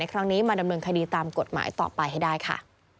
ครั้งนี้มาดำเนินคดีตามกฎหมายต่อไปให้ได้ค่ะ